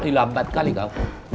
ih lambat sekali kau